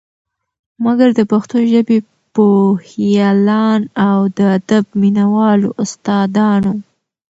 مګر د پښتو ژبې پوهیالان او د ادب مینه والو استا دانو